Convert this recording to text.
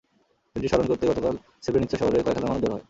দিনটি স্মরণ করতে গতকাল সেব্রেনিৎসা শহরে কয়েক হাজার মানুষ জড়ো হয়।